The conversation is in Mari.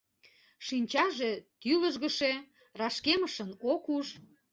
Шинча же тӱлыжгышӧ, рашкемышын ок уж.